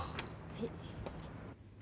はい。